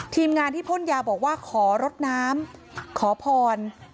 ทีมงานที่พ่นยาบอกว่าขอรดน้ำขอพร